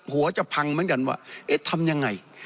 หัวจะพังเหมือนกันว่าเอ๊ะทำยังไง